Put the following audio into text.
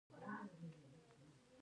د غنمو د پاکولو لاره باد کول دي.